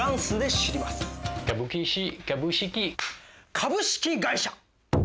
株式会社！